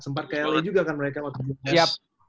sempat kla juga kan mereka waktu itu